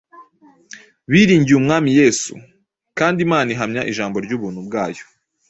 biringiye umwami Yesu,” kandi ” Imana ihamya ijambo ry’ubuntu bwayo,